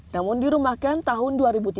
namun dirumahkan tahun dua ribu tiga belas